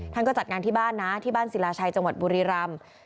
ท่านก็จัดงานที่บ้านนะที่บ้านศิลาชัยจังหวัดบุรีรำ